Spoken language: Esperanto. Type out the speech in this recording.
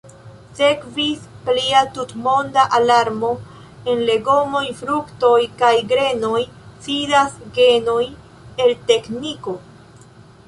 Sekvis plia tutmonda alarmo: en legomoj, fruktoj kaj grenoj sidas genoj el tekniko!